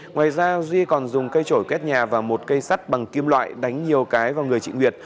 ngoài ra duy còn dùng cây trổi kết nhà và một cây sắt bằng kim loại đánh nhiều cái vào người chị nguyệt